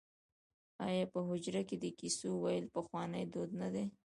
آیا په حجره کې د کیسو ویل پخوانی دود نه دی؟